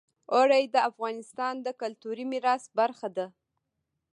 اوړي د افغانستان د کلتوري میراث برخه ده.